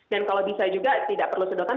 dan kalau bisa juga tidak perlu sedotan